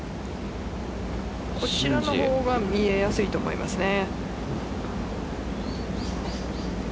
こちらの方が見えやすいと思いますね。